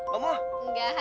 gak mau ah